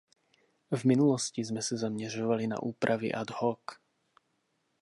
V minulosti jsme se zaměřovali na úpravy ad hoc.